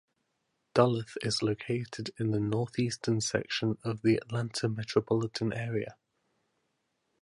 Duluth is located in the northeastern section of the Atlanta metropolitan area.